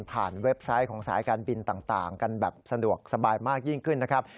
เว็บไซต์ของสายการบินต่างกันแบบสะดวกสบายมากยิ่งขึ้นนะครับ